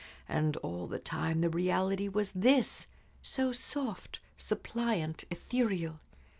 And all the time the reality was this so soft, suppliant, ethereal!